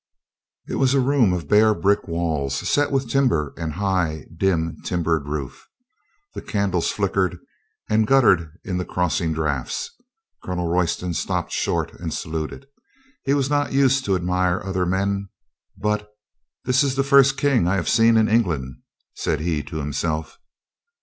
It was a room of bare brick walls set with timber and high, dim, timbered roof. The candles flick ered and guttered in the crossing drafts. Colonel 336 COLONEL GREATHEART Royston stopped short and saluted. He was not used to admire other men. But, "this is the first King I have seen in England," said he to himself.